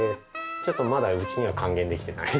ちょっとまだうちには還元できてない。